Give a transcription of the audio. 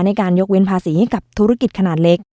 ในการยกเว้นภาษีให้กับธุรกิจขนาดเล็ก